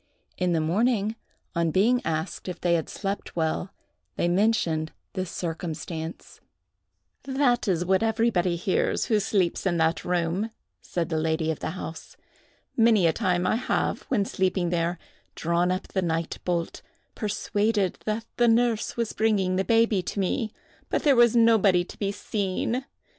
In the morning, on being asked if they had slept well, they mentioned this circumstance. "That is what everybody hears who sleeps in that room," said the lady of the house. "Many a time I have, when sleeping there, drawn up the night bolt, persuaded that the nurse was bringing the baby to me; but there was nobody to be seen.